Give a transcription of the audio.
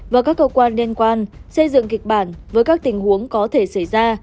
và các cơ quan liên quan xây dựng kịch bản với các tình huống có thể xảy ra